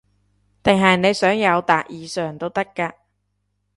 定係你想友達以上都得㗎